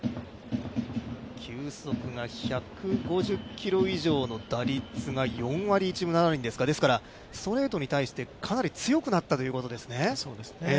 球速が１５０キロ以上の打率が４割１分７厘ですか、ですからストレートに対してかなり強くなったということですね。